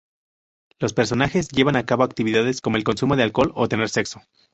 Los personajes llevan a cabo actividades como el consumo de alcohol o tener sexo.